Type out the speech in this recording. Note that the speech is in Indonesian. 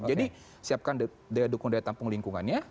jadi siapkan daya dukung dan daya tampung lingkungannya